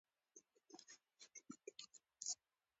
که ته خپل پیرودونکی درناوی کړې، هغه به وفادار پاتې شي.